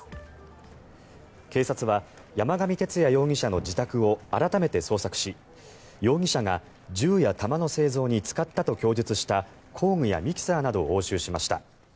警察は山上徹也容疑者の自宅を改めて捜索し容疑者が銃や弾の製造に使ったと供述した工具やミキサーなどを押収しました。